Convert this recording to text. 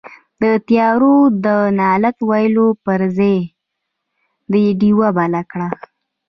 په تيارو ده لعنت ويلو پر ځئ، ډيوه بله کړه.